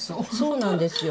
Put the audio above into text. そうなんですよ。